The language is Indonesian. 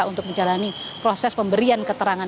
untuk menjalani proses pemberian keterangan